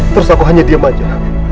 terus aku hanya diam aja